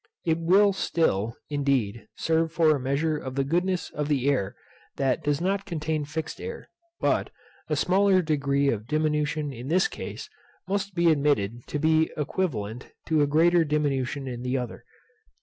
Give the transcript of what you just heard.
It will still, indeed, serve for a measure of the goodness of air that does not contain fixed air; but, a smaller degree of diminution in this case, must be admitted to be equivalent to a greater diminution in the other.